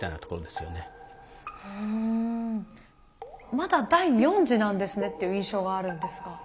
まだ第４次なんですねっていう印象があるんですが。